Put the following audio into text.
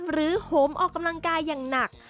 โหมออกกำลังกายอย่างหนัก